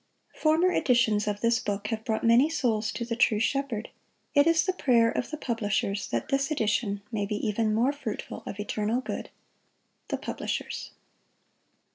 Former editions of this book have brought many souls to the True Shepherd; it is the prayer of the publishers that this edition may be even more fruitful of eternal good. THE PUBLISHERS.